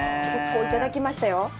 結構いただきましたよ。